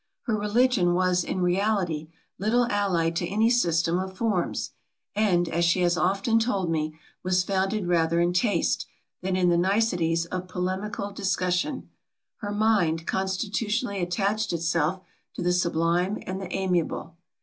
Her religion was, in reality, little allied to any system of forms; and, as she has often told me, was founded rather in taste, than in the niceties of polemical discussion. Her mind constitutionally attached itself to the sublime and the amiable.